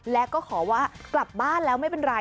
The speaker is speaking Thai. และก็ขอว่ากลับบ้านแล้วไม่เป็นไร